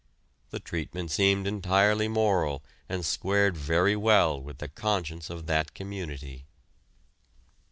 The treatment seemed entirely moral and squared very well with the conscience of that community.